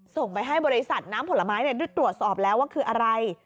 ส่งไปให้บริษัทน้ำผลไม้ด้วยตรวจสอบแล้วว่าคืออะไร